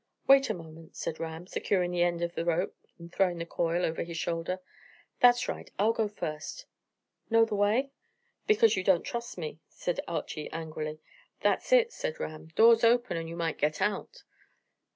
"Wait a moment," said Ram, securing the end of the rope, and throwing the coil over his shoulder. "That's right. I'll go first. Know the way?" "Because you don't trust me," said Archy angrily. "That's it," said Ram. "Door's open, and you might get out."